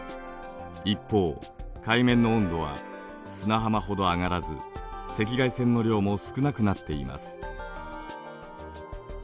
一方海面の温度は砂浜ほど上がらず赤外線の量も少なくなっています。